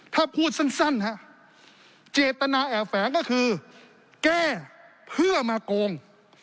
ถ้าพูดสั้นฮะเจตนาแอบแฝงก็คือแก้เพื่อมาโกง